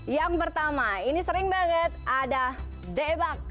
yang pertama ini sering banget ada debak